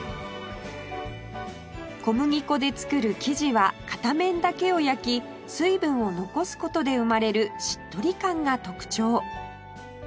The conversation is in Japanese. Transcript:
小麦粉で作る生地は片面だけを焼き水分を残す事で生まれるしっとり感が特徴